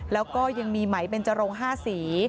แล้วก็ยังมีไหมเบนจรง๕สี